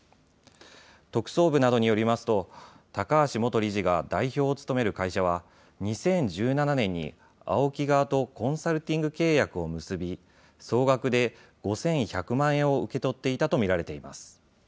特捜部などによりますと高橋元理事が代表を務める会社は２０１７年にＡＯＫＩ側とコンサルティング契約を結び総額で５１００万円を受け取っていたと見られています。